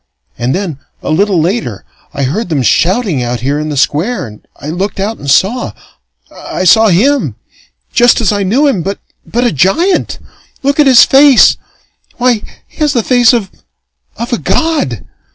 And then, a little later, I heard them shouting out here in the Square, and I looked out and saw. I saw him just as I knew him but a giant! Look at his face! Why, he has the face of of a god!